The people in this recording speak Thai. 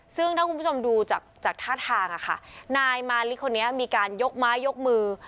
ซึ่งถ้าคุณผู้ชมดูจากท่าทางนายมาริคนนี้มีการยกไม้ยกมือ